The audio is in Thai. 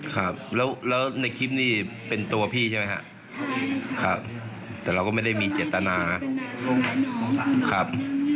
อย่างเงี้ยเพื่อที่ถือหนอนนี่อืม